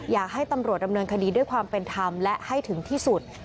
อยากให้ตำรวจดำเนินคดีด้วยความเป็นธรรมและให้ถึงที่สุด